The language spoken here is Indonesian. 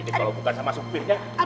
ini kalau bukan sama sopirnya